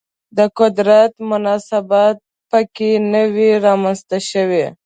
د قدرت مناسبات په کې نه وي رامنځته شوي